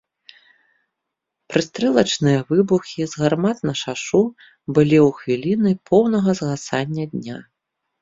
Прыстрэлачныя выбухі з гармат на шашу былі ў хвіліны поўнага згасання дня.